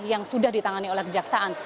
yang sudah ditangani oleh kejaksaan